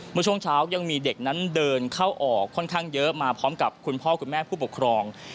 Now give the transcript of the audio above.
เมื่อช่วงเช้ายังมีเด็กนั้นเดินเข้าออกค่อนข้างเยอะมาพร้อมกับคุณพ่อคุณแม่ผู้ปกครอง